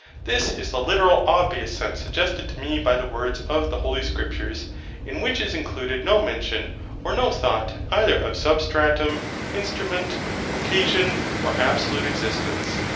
This is the literal obvious sense suggested to me by the words of the Holy Scripture: in which is included no mention, or no thought, either of SUBSTRATUM, INSTRUMENT, OCCASION, or ABSOLUTE EXISTENCE.